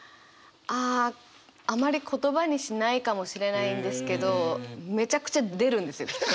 ああまり言葉にしないかもしれないんですけどめちゃくちゃ出るんですよきっと。